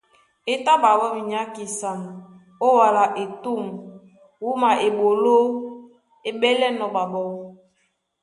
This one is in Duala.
É tá ɓaɓɔ́ minyákisan ó wala etûm wúma eɓoló é ɓélɛ́nɔ̄ ɓaɓɔ́.